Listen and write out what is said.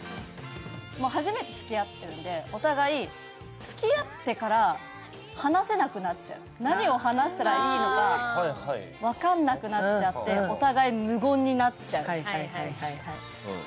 初めてつきあっているんで、お互いつきあってから話せなくなっちゃう、何を話したらいいか分かんなくなっちゃってお互い無言になっちゃう。